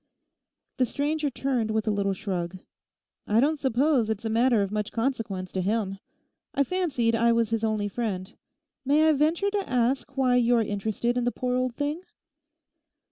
The stranger turned with a little shrug. 'I don't suppose it's a matter of much consequence to him. I fancied I was his only friend. May I venture to ask why you are interested in the poor old thing?